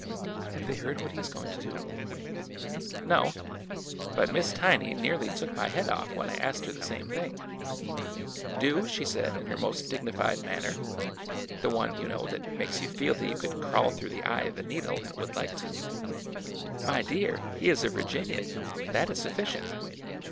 " Have they heard what he is going to do ?"" No. But Miss Tiny nearly took my head off when I asked her the same thing. ' Do ?' she said in her most dignified manner, — the one, you know, that makes you feel that you could crawl through the eye of a needle and would like to! —^ My dear! he is a Virginian. That is sufficient!